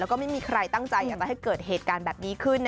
แล้วก็ไม่มีใครตั้งใจอยากจะให้เกิดเหตุการณ์แบบนี้ขึ้น